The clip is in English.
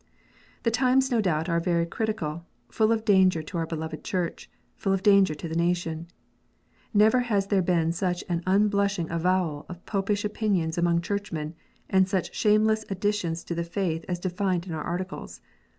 The times no doubt are very critical, full of danger to our beloved Church, full of danger to the nation. ]S T ever has there been such an unblushing avowal of Popish opinions among Churchmen, and such shameless additions to the faith as defined in our Articles.